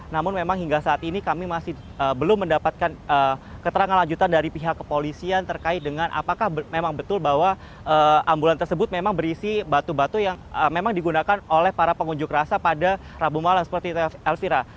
namun memang hingga saat ini kami masih belum mendapatkan keterangan lanjutan dari pihak kepolisian terkait dengan apakah memang betul bahwa ambulans tersebut memang berisi batu batu yang memang digunakan oleh para pengunjuk rasa pada rabu malam seperti elvira